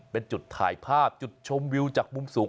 เป็นจุดถ่ายภาพจุดชมวิวจากมุมสูง